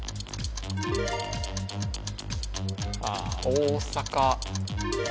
大阪。